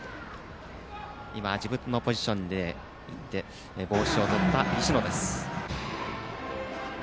自分のポジションに行って帽子をとった石野です。